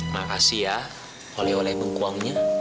makasih ya oleh oleh mengkuangnya